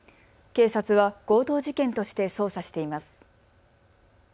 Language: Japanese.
警察は強盗事件として捜査しています。